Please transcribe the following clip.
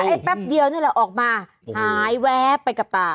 แป๊บเดียวนี่แหละออกมาหายแวบไปกับตา